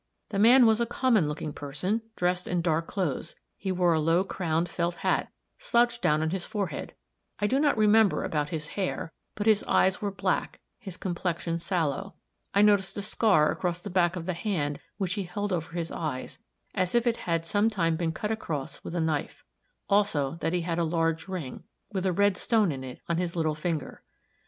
"The man was a common looking person, dressed in dark clothes; he wore a low crowned felt hat, slouched down on his forehead; I do not remember about his hair, but his eyes were black, his complexion sallow. I noticed a scar across the back of the hand which he held over his eyes, as if it had sometime been cut across with a knife; also that he had a large ring, with a red stone in it, on his little finger.